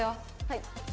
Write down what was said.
はい。